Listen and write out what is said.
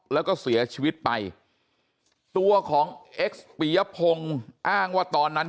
แล้วก็เสียชีวิตไปตัวของเอ็กซ์ปียพงศ์อ้างว่าตอนนั้น